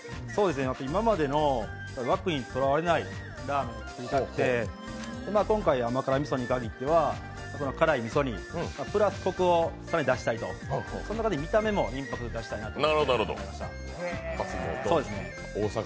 いままでの枠にとらわれないラーメンを作りたくて、今回、甘辛ｍｉｓｏに限っては、辛いみそにプラスコクを出してみたい、その中で見た目もインパクトを出したいなと思いました。